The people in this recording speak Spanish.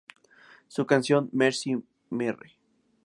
Su canción "Mercy Mr.